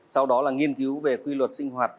sau đó là nghiên cứu về quy luật sinh hoạt